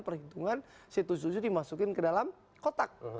perhitungan c tujuh dimasukin ke dalam kotak